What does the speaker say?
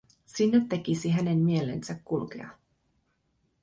Sinne tekisi hänen mielensä kulkea.